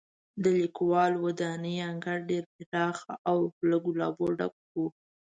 د لیکوالو ودانۍ انګړ ډېر پراخه او له ګلابو ډک و.